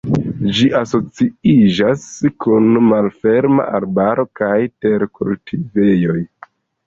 Ĝi asociiĝas kun malferma arbaro kaj terkultivejoj.